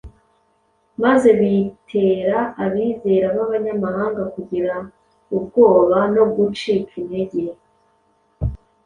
maze bitera abizera b’abanyamahanga kugira ubwoba no gucika intege.